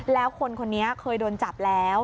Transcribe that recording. แล้วคนคนนี้เคยโดนจับแล้ว